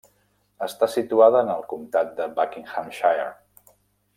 Està situada en el comtat del Buckinghamshire.